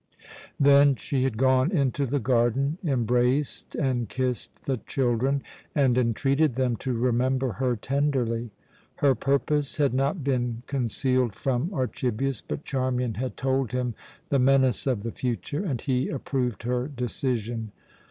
Then she had gone into the garden, embraced and kissed the children, and entreated them to remember her tenderly. Her purpose had not been concealed from Archibius, but Charmian had told him the menace of the future, and he approved her decision.